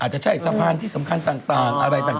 จะใช่สะพานที่สำคัญต่างอะไรต่าง